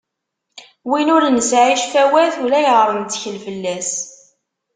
Win ur nesɛi ccfawat ulayɣer nettkel fell-as.